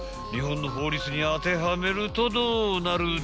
日本の法律に当てはめるとどうなる？